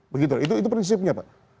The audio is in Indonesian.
begitu itu prinsipnya pak